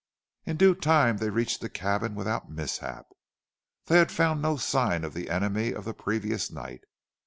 In due time they reached the cabin without mishap. They had found no sign of the enemy of the previous night.